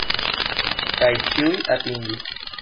Kaj ĉiuj atingis!